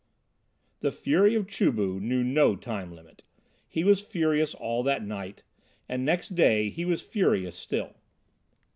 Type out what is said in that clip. The fury of Chu bu knew no time limit: he was furious all that night, and next day he was furious still.